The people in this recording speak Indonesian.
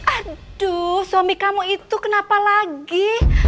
aduh suami kamu itu kenapa lagi